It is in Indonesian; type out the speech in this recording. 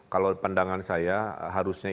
kalau pandangan saya harusnya